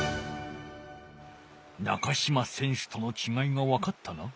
中島選手とのちがいがわかったな？